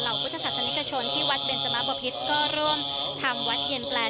เหล่าพุทธศาสตร์สันนี้กระชนที่วัดเบญจมะบอพิษก็เริ่มทำวัดเย็นแปล